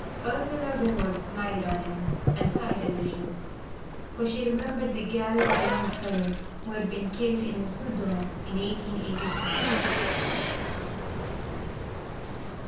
Ursula Winwood smiled on him and sighed a little; for she remembered the gallant young fellow who had been killed in the Soudan in eighteen eighty five.